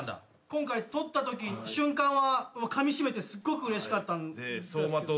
今回取ったとき瞬間はかみしめてすごくうれしかったんですけど。